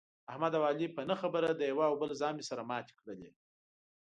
احمد او علي په نه خبره د یوه او بل زامې سره ماتې کړلې.